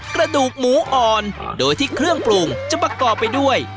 กระดูกหมูอ่อนโดยที่เครื่องปรุงจะประกอบไปด้วย